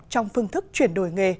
trong phương thức chuyển đổi nghề